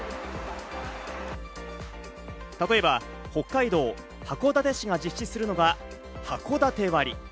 例えば北海道函館市が実施するのがはこだて割。